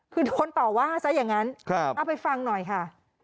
คือโดนต่อว่าซะอย่างนั้นเอาไปฟังหน่อยค่ะ